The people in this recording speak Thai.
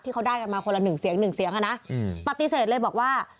เขาได้กันมาคนละหนึ่งเสียงหนึ่งเสียงอ่ะนะปฏิเสธเลยบอกว่า